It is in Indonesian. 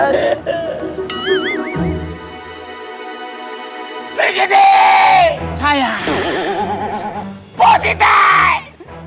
resi saya bercitai